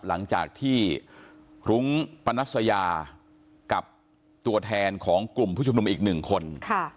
หลังจากที่รุ้งปนัสยากับตัวแทนของกลุ่มผู้ชุมนุมอีกหนึ่งคน